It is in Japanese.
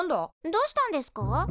どうしたんですか？